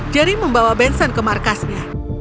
jerry membawa benson ke markasnya